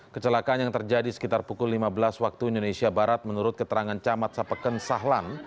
kecelakaan yang terjadi sekitar pukul lima belas waktu indonesia barat menurut keterangan camat sapeken sahlam